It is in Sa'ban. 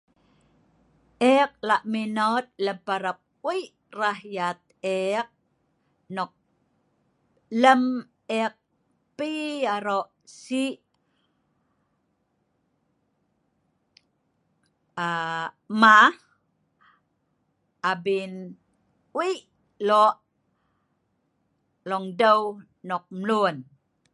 Ek la' minot lem parap wei' ra' yat ek, nok lem ek pi aro' si aa mah', abin wei' lo' longdeu nok mlun.